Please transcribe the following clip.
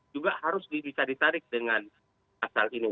juga harus bisa ditarik dengan pasal ini